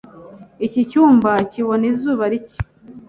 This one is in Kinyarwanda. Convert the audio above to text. Iki cyumba kibona izuba rike.